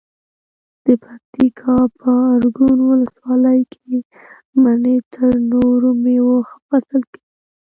د پکتیکا په ارګون ولسوالۍ کې مڼې تر نورو مېوو ښه فصل کوي.